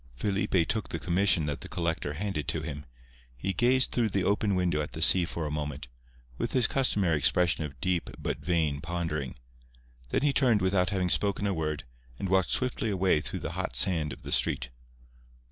Felipe took the commission that the collector handed to him. He gazed through the open window at the sea for a moment, with his customary expression of deep but vain pondering. Then he turned without having spoken a word, and walked swiftly away through the hot sand of the street.